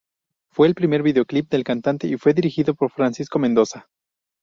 Fue el primer videoclip del cantante, y fue dirigido por Francisco Mendoza.